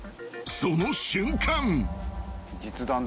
［その瞬間］